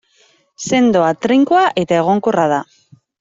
Sendoa, trinkoa eta egonkorra da.